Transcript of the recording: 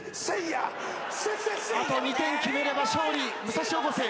あと２点決めれば勝利武蔵越生。